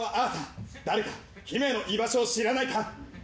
「誰か姫の居場所を知らないか？」